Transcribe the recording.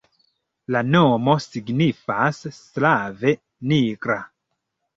La nomo signifas slave nigra.